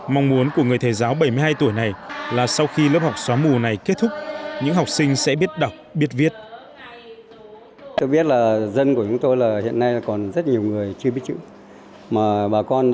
mong muốn của người thầy giáo bảy mươi hai tuổi này là sau khi lớp học xóa mù này kết thúc những học sinh sẽ biết đọc biết viết